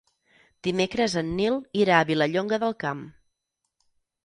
Dimecres en Nil irà a Vilallonga del Camp.